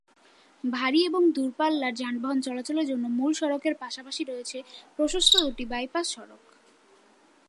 ভারী এবং দূর পাল্লার যানবাহন চলাচলের জন্য মূল সড়কের পাশাপাশি রয়েছে প্রশস্ত দুটি বাইপাস সড়ক।